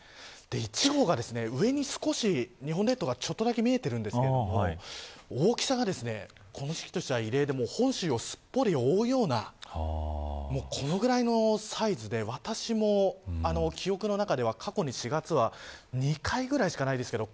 １号が上に少し日本列島がちょっとだけ見えているんですが大きさがこの時期としては異例で本州をすっぽり覆うようなこのぐらいのサイズで、私も記憶の中では、過去に４月は２回ぐらいしかないですけど。